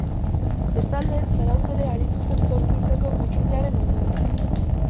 Bestalde Zarautz ere aritu zen zortzi urteko hutsunearen ondoren.